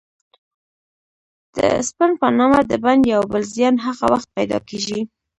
د سپرن په نامه د بند یو بل زیان هغه وخت پیدا کېږي.